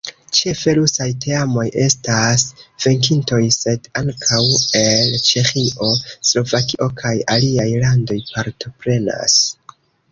Ĉefe rusaj teamoj estas venkintoj, sed ankaŭ el Ĉeĥio, Slovakio kaj aliaj landoj partoprenas.